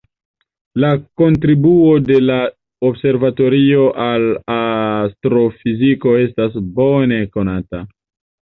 La kontribuo de la observatorio al astrofiziko estas bone konata.